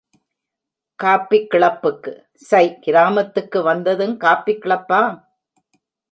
Copy கிளப்புக்கு சை கிராமத்துக்கு வந்தும் காப்பி கிளப்பா?